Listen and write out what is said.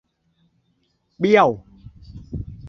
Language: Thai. เบี้ยว !